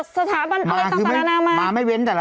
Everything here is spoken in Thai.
สถาบันอะไรต่าง